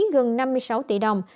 gần năm mươi sáu tỷ đồng